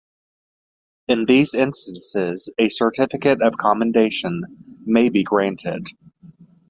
In these instances, a Certificate of Commendation may be granted.